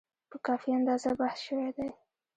په کافي اندازه بحث شوی دی.